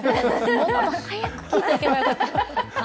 もっと早く聞いとけばよかった。